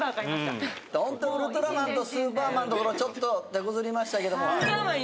ホントウルトラマンとスーパーマンのところちょっとてこずりましたけども。